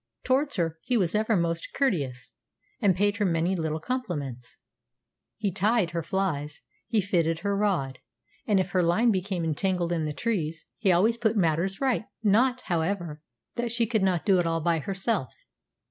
Towards her he was ever most courteous, and paid her many little compliments. He tied her flies, he fitted her rod, and if her line became entangled in the trees he always put matters right. Not, however, that she could not do it all herself.